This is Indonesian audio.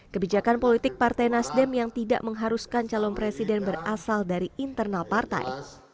kebijakan politik partai nasdem yang tidak mengharuskan calon presiden berasal dari internal partai